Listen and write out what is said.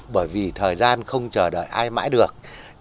bởi vì thời gian không chờ đợi ai mãi được